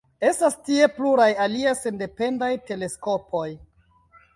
Estas tie pluraj aliaj sendependaj teleskopoj.